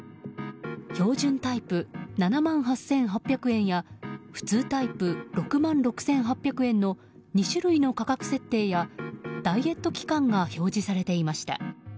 標準タイプ、７万８８００円や普通タイプ、６万６８００円の２種類の価格設定やダイエット期間が表示されていました。